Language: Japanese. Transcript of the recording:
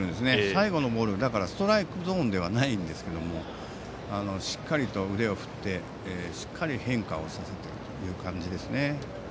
最後のボールはストライクゾーンではないんですがしっかりと腕を振ってしっかり変化をさせていますね。